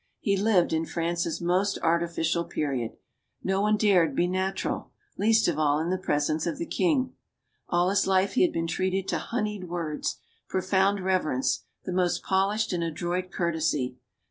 He lived in France's most artificial period. No one dared be natural; least of all in the presence of the king. All his life he had been treated to honeyed words, pro found reverence, the most polished and adroit courtesy.